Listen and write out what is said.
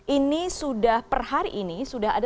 ini sudah per hari ini sudah ada